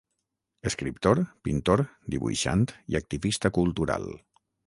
Escriptor, pintor, dibuixant i activista cultural.